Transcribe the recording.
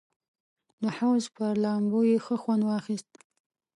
د حوض پر لامبو یې ښه خوند واخیست.